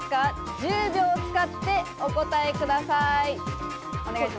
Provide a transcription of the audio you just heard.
１０秒を使ってお答えください。